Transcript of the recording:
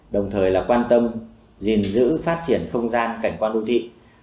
đồng thời là quan tâm gìn giữ phát triển không gian cảnh quan đô thị